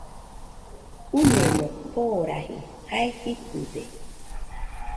Uneno baraji, jea jitɨde